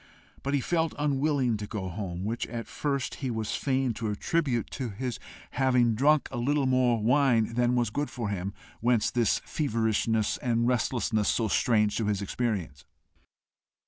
But he felt unwilling to go home, which at first he was fain to attribute to his having drunk a little more wine than was good for him, whence this feverishness and restlessness so strange to his experience.